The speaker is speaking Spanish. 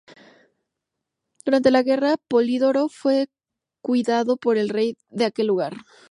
Durante la guerra, Polidoro fue cuidado por el rey de aquel lugar.